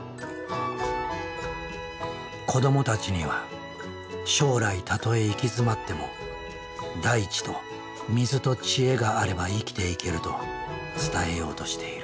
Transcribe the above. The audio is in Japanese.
子どもたちには「将来たとえ行き詰まっても大地と水と知恵があれば生きていける」と伝えようとしている。